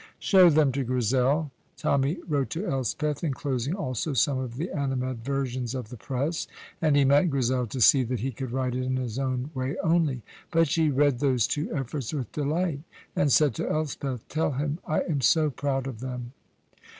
"Show them to Grizel," Tommy wrote to Elspeth, inclosing also some of the animadversions of the press, and he meant Grizel to see that he could write in his own way only. But she read those two efforts with delight, and said to Elspeth, "Tell him I am so proud of them."